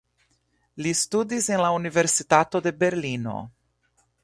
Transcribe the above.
Li studis en la Universitato de Berlino.